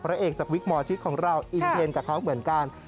เอกจากวิกหมอชิตของเราอินเทนกับเขาเหมือนกัน